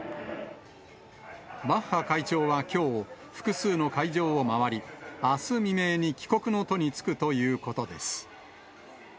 バッハ会長はきょう、複数の会場を回り、あす未明に帰国の途に就くということです。